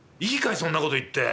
そんな事言って。